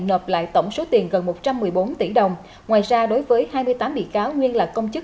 nộp lại tổng số tiền gần một trăm một mươi bốn tỷ đồng ngoài ra đối với hai mươi tám bị cáo nguyên là công chức